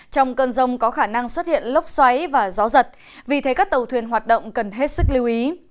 trong cơn rông có khả năng xuất hiện lốc xoáy và gió giật vì thế các tàu thuyền hoạt động cần hết sức lưu ý